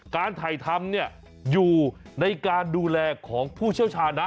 การถ่ายทำเนี่ยอยู่ในการดูแลของผู้เชี่ยวชาญนะ